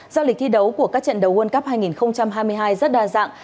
do lịch thi đấu của các trận đấu world cup hai nghìn hai mươi hai rất đa dạng